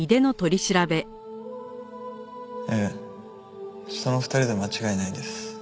ええその２人で間違いないです。